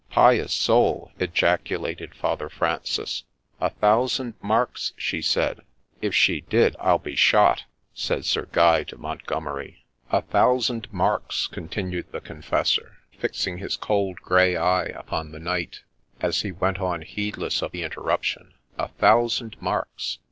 ' Pious soul 1 ' ejaculated Father Francis. ' A thousand marks, she said '' If she did, I'll be shot !' said Sir Guy de Montgomeri. 168 THE LADY ROHESIA '— A thousand marks !' continued the Confessor, fixing his cold grey eye upon the knight, as he went on heedless of the interruption ;—' a thousand marks